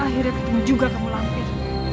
akhir akhir juga kamu lantai